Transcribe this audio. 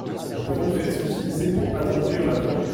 Il peut donc être utilisé pour attendrir la viande.